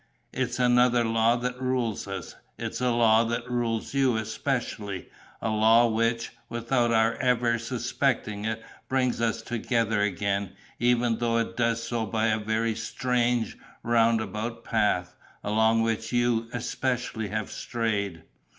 It's another law that rules us. It's a law that rules you especially; a law which, without our ever suspecting it, brings us together again, even though it does so by a very strange, roundabout path, along which you, especially, have strayed.